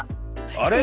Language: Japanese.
あれ。